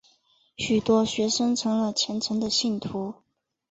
许多学生成了虔诚的信徒。